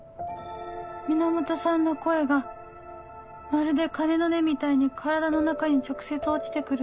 源さんの声がまるで鐘の音みたいに体の中に直接落ちて来る